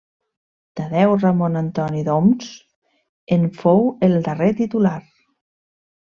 Tadeu Ramon Antoni d'Oms en fou el darrer titular.